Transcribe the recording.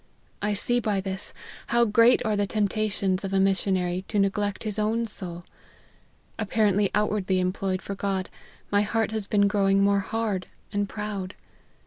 I see by this, how great are the temptations of a missionary to neglect his own soul. Apparently outwardly employed for God, my heart has been growing more hard and proud.